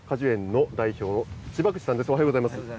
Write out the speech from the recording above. おはようございます。